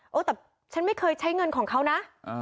เออแต่ฉันไม่เคยใช้เงินของเขานะ